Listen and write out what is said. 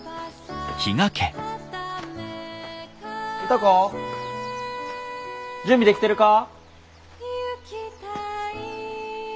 歌子準備できてるか？